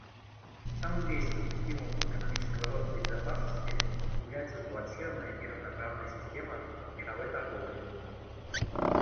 Самым действенным стимулом экономического роста и безопасности является сбалансированная и равноправная система мировой торговли.